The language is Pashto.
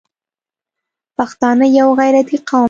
پښتانه یو غیرتي قوم دی.